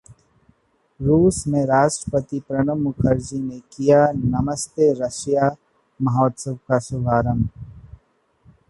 रूस में राष्ट्रपति प्रणब मुखर्जी ने किया ‘नमस्ते रसिया’ महोत्सव का शुभारंभ